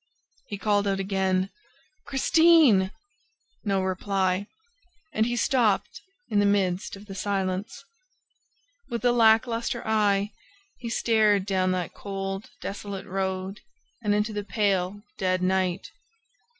He called out again: "Christine!" No reply. And he stopped in the midst of the silence. With a lack luster eye, he stared down that cold, desolate road and into the pale, dead night.